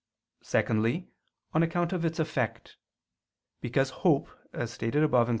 Secondly, on account of its effect. Because hope, as stated above (Q.